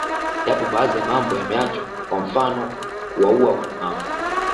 Yapo baadhi ya mambo yameachwa kwa mfano kuwaua walemavu